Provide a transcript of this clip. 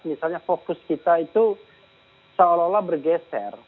misalnya fokus kita itu seolah olah bergeser